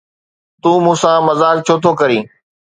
تون مون سان مذاق ڇو ٿو ڪرين؟